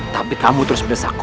tapi kamu terus beres aku